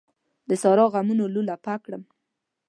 د سارا غمونو لولپه کړم.